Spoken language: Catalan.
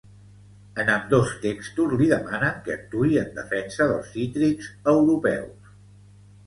En ambdós textos li demanen que actuï en defensa dels cítrics europeus.